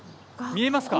見えますか？